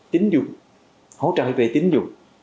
tính dụng hỗ trợ về tính dụng